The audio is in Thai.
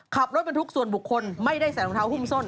ขับรถบรรทุกส่วนบุคคลไม่ได้ใส่รองเท้าหุ้มส้น